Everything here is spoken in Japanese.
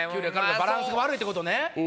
バランスが悪いって事ね。